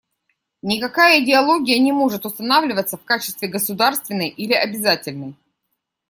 Никакая идеология не может устанавливаться в качестве государственной или обязательной.